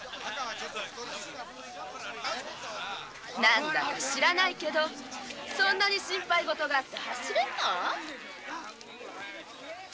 何か知らないけどそんなに心配事があって走れるの？